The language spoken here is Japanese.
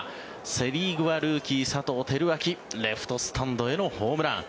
セ・リーグはルーキー、佐藤輝明レフトスタンドへのホームラン。